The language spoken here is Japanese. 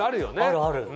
あるある。